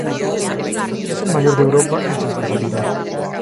Es el mayor de Europa en su especialidad.